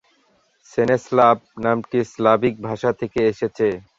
সেনেস্লাভ নামটি স্লাভিক ভাষা থেকে এসেছে।